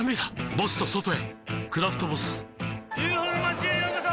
ボスと外へ「クラフトボス」ＵＦＯの町へようこそ！